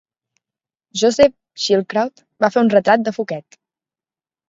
Joseph Schildkraut va fer un retrat de Fouquet.